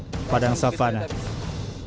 dan kemudian kembali ke kawasan savana